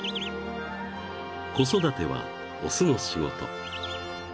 ［子育ては雄の仕事］